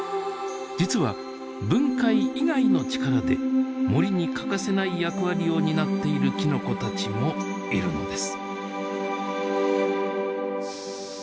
実は「分解」以外の力で森に欠かせない役割を担っているきのこたちもいるのです。